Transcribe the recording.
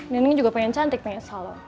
neneng juga pengen cantik pengen salam